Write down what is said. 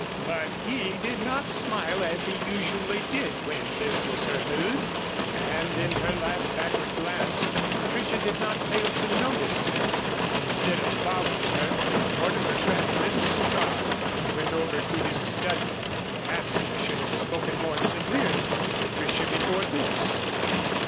But he did not smile as he usually did when this was her mood, and in her last backward glance Patricia did not fail to notice it. Instead of following her, Mortimer Crabb lit a cigar and went over to his study. Perhaps he should have spoken more severely to Patricia before this.